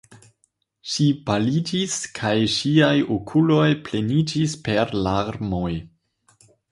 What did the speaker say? Ŝi paliĝis, kaj ŝiaj okuloj pleniĝis per larmoj.